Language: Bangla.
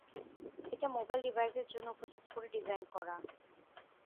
এটা মোবাইল ডিভাইসের জন্য উপযোগী করে ডিজাইন করা।